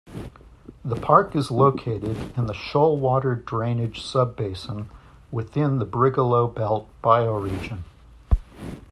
The park is located in the Shoalwater drainage sub-basin within the Brigalow Belt bioregion.